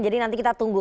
jadi nanti kita tunggu